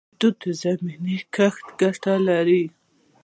د توت زمینی کښت ګټه لري؟